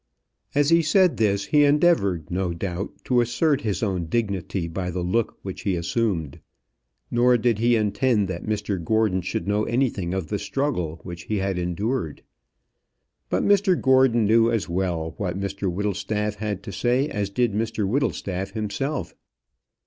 As he said this he endeavoured, no doubt, to assert his own dignity by the look which he assumed. Nor did he intend that Mr Gordon should know anything of the struggle which he had endured. But Mr Gordon knew as well what Mr Whittlestaff had to say as did Mr Whittlestaff himself.